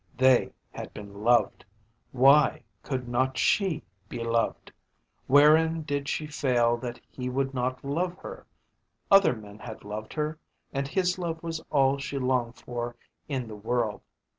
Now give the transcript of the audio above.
They had been loved. Why could not she be loved? Wherein did she fail that he would not love her? Other men had loved her, and his love was all she longed for in the world.